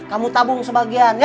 kamu tabung sebagian ya